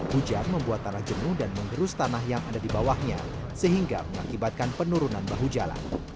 hujan membuat tanah jenuh dan mengerus tanah yang ada di bawahnya sehingga mengakibatkan penurunan bahu jalan